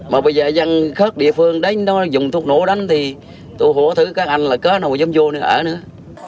mà bây giờ dân khớp địa phương đến đó dùng thuốc nổ đánh thì tôi hổ thử các anh là có nào giống vô nữa